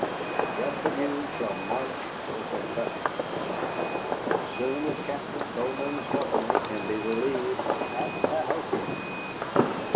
The rest of you shall march for Kentucky," he cried, "as soon as Captain Bowman's company can be relieved at Cahokia.